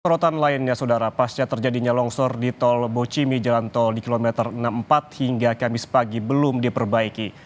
sorotan lainnya saudara pasca terjadinya longsor di tol bocimi jalan tol di kilometer enam puluh empat hingga kamis pagi belum diperbaiki